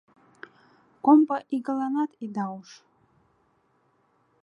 Комбо игыланат ида уж: